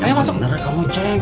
ayo masuk bener kamu ceng